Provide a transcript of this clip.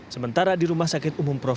sementara di rumah sakit umum prof